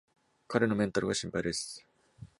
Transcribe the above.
彼のメンタルが心配です